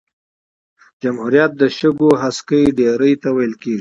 جمهوریت د شګو هسکی ډېرۍ ته ویل کیږي.